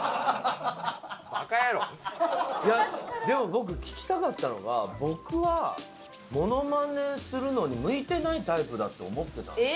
でも僕聞きたかったのが僕はモノマネするのに向いてないタイプだと思ってた。